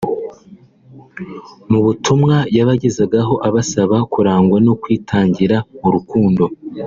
Mu butumwa yabagezagaho abasaba kurangwa no kwitangira urukundo